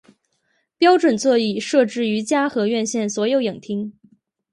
标准座椅设置于嘉禾院线所有影厅。